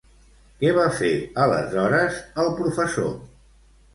Què va fer aleshores el professor?